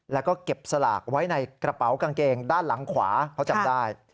แล้วก็เก็บสลากไว้ในกระเป๋ากางเกงด้านหลังขวาเขาจำได้